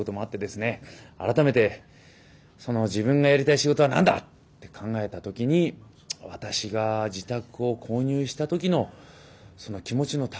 改めて自分がやりたい仕事は何だって考えた時に私が自宅を購入した時の気持ちの高ぶりをですね。